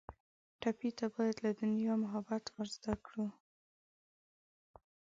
ټپي ته باید له دنیا محبت ور زده کړو.